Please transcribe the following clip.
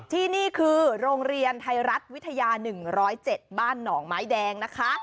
ที่นี่คือโรงเรียนไทยรัฐวิทยา๑๐๗บ้านหนองไม้แดงนะคะ